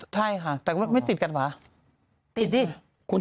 แต่ไม่ติดกันเหรอ